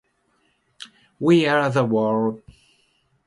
We are the world